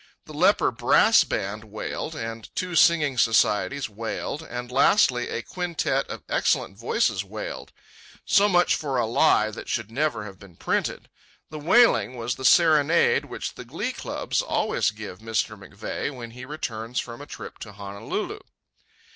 The leper brass band wailed, and two singing societies wailed, and lastly a quintet of excellent voices wailed. So much for a lie that should never have been printed. The wailing was the serenade which the glee clubs always give Mr. McVeigh when he returns from a trip to Honolulu.